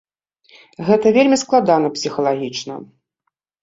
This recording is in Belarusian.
Гэта вельмі складана псіхалагічна.